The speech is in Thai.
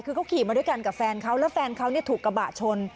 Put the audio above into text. คือเขาขี่มาด้วยกันกับแฟนเขาแล้วแฟนเขาถูกกระบะชน